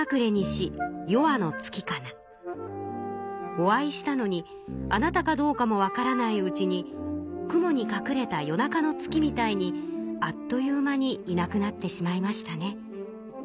「お会いしたのにあなたかどうかもわからないうちに雲にかくれた夜中の月みたいにあっという間にいなくなってしまいましたね」。